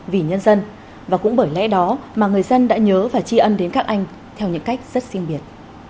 vì nhân dân và cũng bởi lẽ đó mà người dân đã nhớ và tri ân đến các anh theo những cách rất riêng biệt